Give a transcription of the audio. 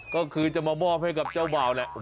ก็คือจะมามอบให้กับเจ้าบ่าวแหละ